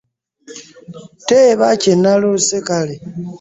Teeba kye naloose kale.